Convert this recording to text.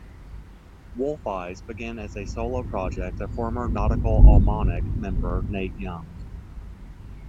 Wolf Eyes began as a solo project of former Nautical Almanac member Nate Young.